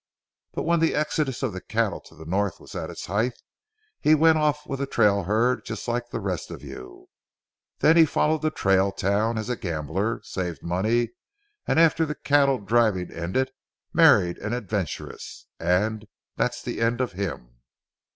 But when the exodus of the cattle to the north was at its height, he went off with a trail herd just like the rest of you. Then he followed the trail towns as a gambler, saved money, and after the cattle driving ended, married an adventuress, and that's the end of him.